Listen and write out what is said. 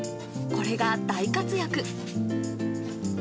これが大活躍。